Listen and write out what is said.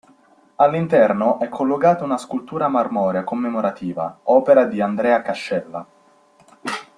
All'interno è collocata una scultura marmorea commemorativa, opera di Andrea Cascella.